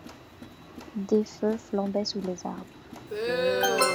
Des feux flambaient sous les arbres.